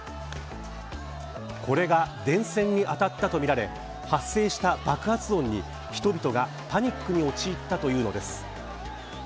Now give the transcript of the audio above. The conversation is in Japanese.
これが電線に当たったとみられ発生した爆発音に人々がパニックに陥ったというのです。